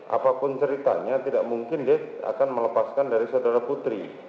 apapun ceritanya tidak mungkin dia akan melepaskan dari saudara putri